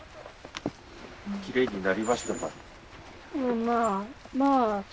きれいになりましたか？